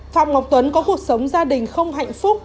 phạm ngọc tuấn có cuộc sống gia đình không hạnh phúc